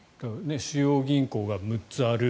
主要銀行が６つある。